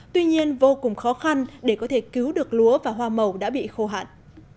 tuy nhiên vô cùng khó khăn để có thể cứu được lúa và hoa màu đã bị khô hạn